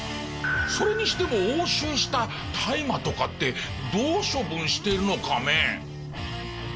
それにしても押収した大麻とかってどう処分してるのカメ？